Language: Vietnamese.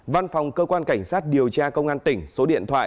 văn phòng cơ quan cảnh sát điều tra công an tỉnh số điện thoại sáu mươi chín